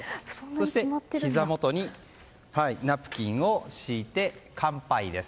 そして、ひざ元にナプキンを敷いて乾杯です。